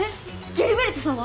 ギルベルトさんは？